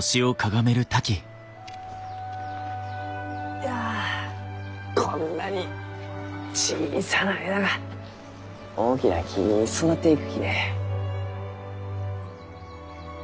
いやこんなに小さな枝が大きな木に育っていくきね。